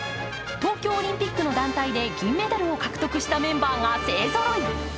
東京オリンピックの団体で銀メダルを獲得したメンバーが勢ぞろい。